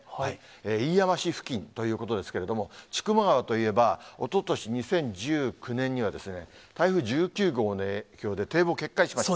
飯山市付近ということですけれども、千曲川といえば、おととし２０１９年には、台風１９号の影響で堤防決壊しました。